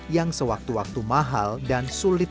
yang sewaktu waktu mahal dan sulit